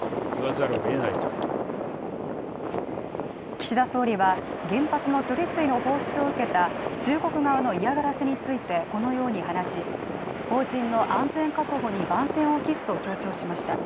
岸田総理は原発の処理水の放出を受けた中国側の嫌がらせについてこのように話し邦人の安全確保に万全を期すと強調しました